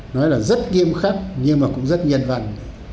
nói là rất nghiêm khắc nhưng mà cũng rất nhiệt vẩn